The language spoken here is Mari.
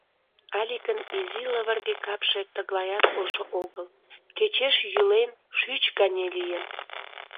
Аликын изи лывырге капше тыглаят ошо огыл, кечеш йӱлен, шӱч гане лийын.